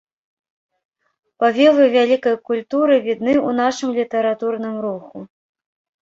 Павевы вялікай культуры відны ў нашым літаратурным руху.